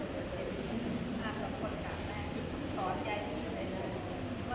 สวัสดีครับสวัสดีครับ